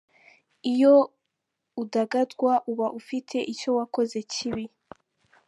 Iyo udagadwa uba ufitee icyo wakoze kibi